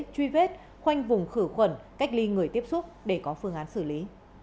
truy vết khoanh vùng khử khuẩn cách ly người tiếp xúc để có phương án xử lý